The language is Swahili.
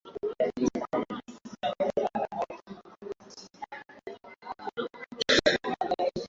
opanga kushambulia serikali wakichochewa na kuyumbayumba